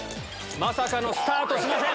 まさかのスタートしません。